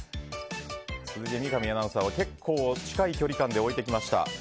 続いて三上アナウンサーは結構近い距離感で置いてきました。